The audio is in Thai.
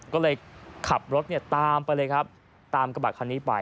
ก็เลยขับรถตามไปเลยครับตามกระบะคันนี้ไป